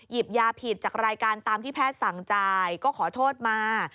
ยาผิดจากรายการตามที่แพทย์สั่งจ่ายก็ขอโทษมา